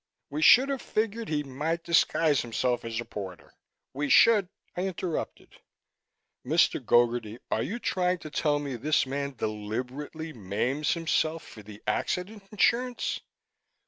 We should have figured he might disguise himself as a porter. We should " I interrupted, "Mr. Gogarty, are you trying to tell me this man deliberately maims himself for the accident insurance?"